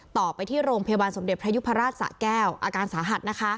ต่อไปที่โรงพยาบาลสมเด็จพระยุพราชสะแก้วอาการสาหัสนะคะ